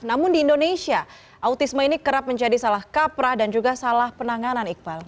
namun di indonesia autisme ini kerap menjadi salah kaprah dan juga salah penanganan iqbal